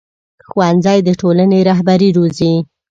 ښوونځی د ټولنې رهبري روزي